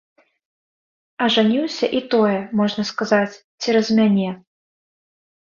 Ажаніўся і тое, можна сказаць, цераз мяне.